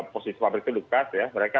posisi pabrik itu dukas ya